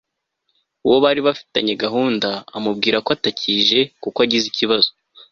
uwo bari bafitanye gahunda amubwira ko atakije kuko agize ikibazo